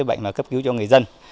chữa bệnh và cấp cứu cho người dân